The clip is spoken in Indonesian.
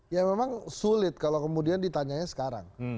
ya memang sulit kalau kemudian ditanya sekarang